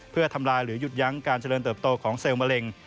เพื่อทำลายหรือหยุดยั้งการเจริญเติบโตของเซลล์มะเร็ง